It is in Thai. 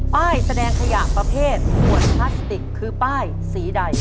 ป้ายแสดงขยะประเภทขวดพลาสติกคือป้ายสีใด